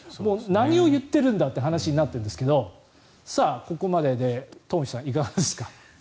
何を言ってるんだという話になってるんですけどさあ、ここまでで東輝さんいかがですか？